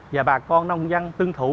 và bà con nông dân tương thủ